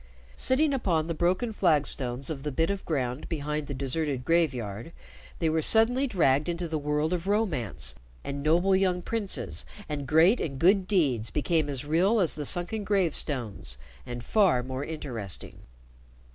Sitting upon the broken flagstones of the bit of ground behind the deserted graveyard, they were suddenly dragged into the world of romance, and noble young princes and great and good deeds became as real as the sunken gravestones, and far more interesting.